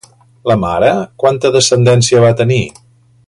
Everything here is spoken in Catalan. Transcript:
La mare, quanta descendència va tenir?